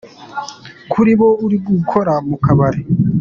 kuri bo ari uguhora mu kabari.